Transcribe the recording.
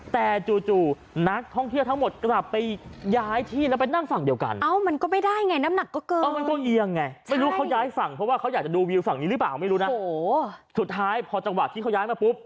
แต่จู่นักท่องเที่ยวทั้งหมดกลับไปย้ายที่แล้วไปนั่งฝั่งเดียวกัน